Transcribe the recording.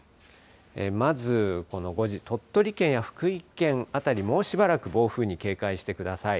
まず、鳥取県や福井県あたりもうしばらく暴風に警戒してください。